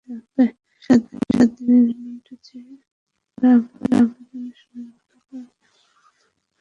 সাত দিনের রিমান্ড চেয়ে করা আবেদনের শুনানি গতকাল হওয়ার কথা থাকলেও হয়নি।